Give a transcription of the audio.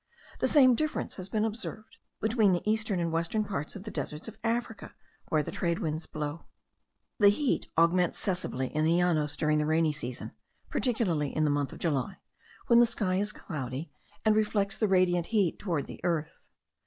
The same difference has been observed between the eastern and western parts of the deserts of Africa, where the trade winds blow. The heat augments sensibly in the Llanos during the rainy season, particularly in the month of July, when the sky is cloudy, and reflects the radiant heat toward the earth.